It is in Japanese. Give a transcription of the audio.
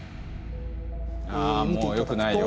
ああもうよくないよ。